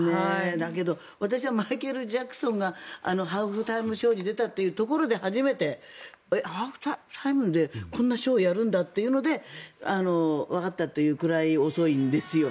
だけど私はマイケル・ジャクソンがハーフタイムショーに出たということで初めてハーフタイムでこんなショーやるんだというのでわかったというぐらい遅いんですよ。